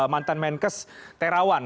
mantan menkes terawan